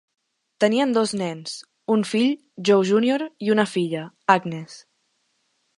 Tenien dos nens, un fill, Joe Junior, i una filla, Agnes.